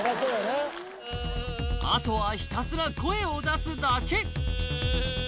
あとはひたすら声を出すだけウ。